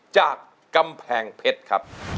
จากกำแพงเพชรครับ